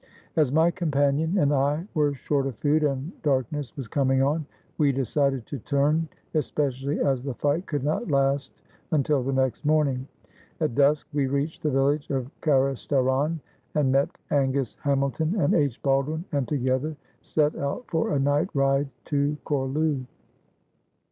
As my companion and I were short of food and dark ness was coming on, we decided to turn, especially as the fight could not last until the next morning. At dusk we reached the village of Karistaran and met Angus Hamil ton and H. Baldwin, and together set out for a night ride to Chorlu.